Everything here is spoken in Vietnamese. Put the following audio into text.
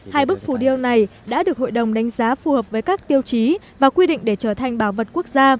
hai bức phù điêu này đã được hội đồng đánh giá phù hợp với các tiêu chí và quy định để trở thành bảo vật quốc gia